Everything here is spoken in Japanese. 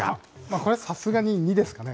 これ、さすがに２ですかね。